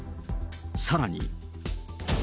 さらに。